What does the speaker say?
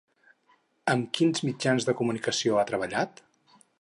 Amb quins mitjans de comunicació ha treballat?